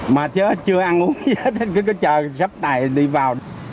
mệt chứ chưa ăn uống hết cứ chờ sắp này đi vào